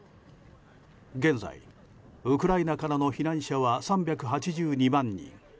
現在、ウクライナからの避難者は３８２万人。